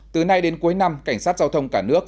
từ nay đến cuối năm cảnh sát giao thông cả nước